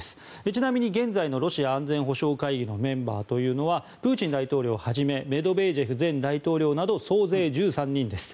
ちなみに現在のロシア安全保障会議のメンバーというのはプーチン大統領をはじめメドベージェフ前大統領など総勢１３人です。